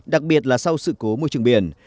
đặc biệt là sau sự cố mối trường biển